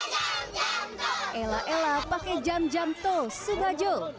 jam jam toh ella ella pake jam jam toh sudah jauh